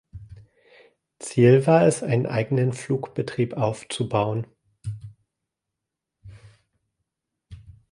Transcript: Ziel war es, einen eigenen Flugbetrieb aufzubauen.